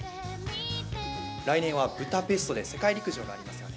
来年はブダペストで世界陸上がありますよね。